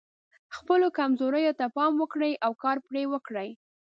خپلو کمزوریو ته پام وکړئ او کار پرې وکړئ.